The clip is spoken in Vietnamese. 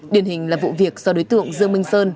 điển hình là vụ việc do đối tượng dương minh sơn